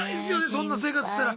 そんな生活してたら。